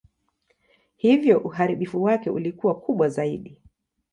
Hivyo uharibifu wake ulikuwa kubwa zaidi.